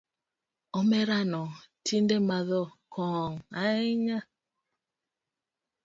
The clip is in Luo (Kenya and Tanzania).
Omerano tinde madho kong’o ahinya